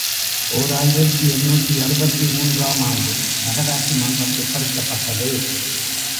ஓர் ஆயிரத்து எண்ணூற்று அறுபத்து மூன்று ஆம் ஆண்டு நகராட்சி மன்றம் ஏற்படுத்தப்பட்டது.